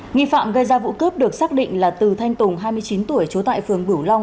nghi phạm gây ra vụ cướp được xác định là từ thanh tùng hai mươi chín tuổi trú tại phường bửu long